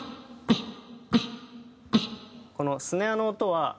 このスネアの音は。